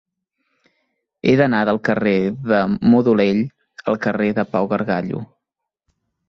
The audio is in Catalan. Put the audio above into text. He d'anar del carrer de Modolell al carrer de Pau Gargallo.